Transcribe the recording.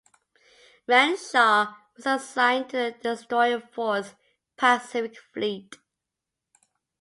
"Renshaw" was assigned to the Destroyer Force, Pacific Fleet.